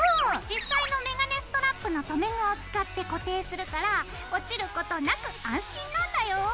実際のメガネストラップの留め具を使って固定するから落ちることなく安心なんだよ。